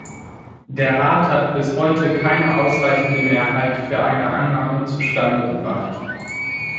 Der Rat hat bis heute keine ausreichende Mehrheit für eine Annahme zustandegebracht.